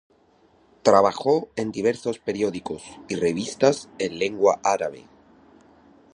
Trabajó en diversos periódicos y revistas en lengua árabe.